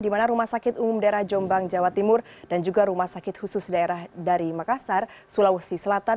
di mana rumah sakit umum daerah jombang jawa timur dan juga rumah sakit khusus daerah dari makassar sulawesi selatan